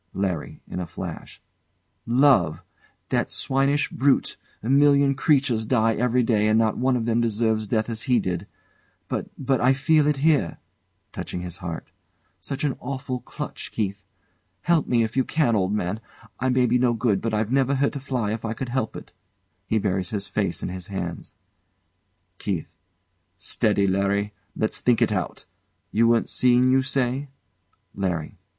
LARRY. [In a flash] Love! That swinish brute! A million creatures die every day, and not one of them deserves death as he did. But but I feel it here. [Touching his heart] Such an awful clutch, Keith. Help me if you can, old man. I may be no good, but I've never hurt a fly if I could help it. [He buries his face in his hands.] KEITH. Steady, Larry! Let's think it out. You weren't seen, you say? LARRY.